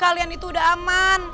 kalian itu udah aman